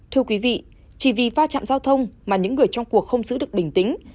thưa quý vị chỉ vì va chạm giao thông mà những người trong cuộc không giữ được bình tĩnh